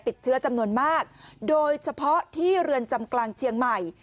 ติดเชื้อจำนวนมากโดยเฉพาะที่เรือนจำกลางเชียงใหม่